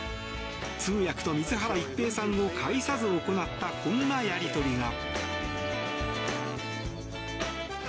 通訳の水原一平さんを介さず行った、こんなやり取りが。